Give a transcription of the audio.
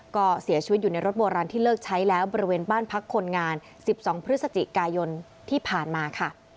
ก็เสียชีวิตอยู่ในรถโบราณที่เลิกใช้แล้วบริเวณบ้านพักคนงาน๑๒พฤศจิกายนที่ผ่านมาค่ะ